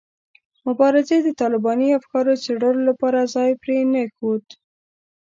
مبارزې د طالباني افکارو څېړلو لپاره ځای پرې نه ښود.